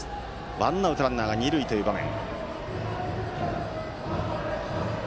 ワンアウトランナー二塁の場面。